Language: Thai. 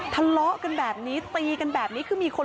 ทะเลาะกันแบบนี้ตีกันแบบนี้คือมีคน